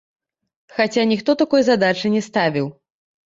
Хаця ніхто такой задачы не ставіў.